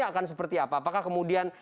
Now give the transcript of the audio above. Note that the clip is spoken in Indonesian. akan seperti apa apakah kemudian